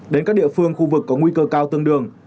đến các địa phương khu vực có nguy cơ cao tương đương